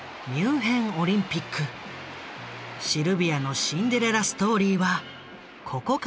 シルビアのシンデレラストーリーはここから始まった。